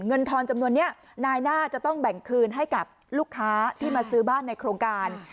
ทอนจำนวนนี้นายน่าจะต้องแบ่งคืนให้กับลูกค้าที่มาซื้อบ้านในโครงการ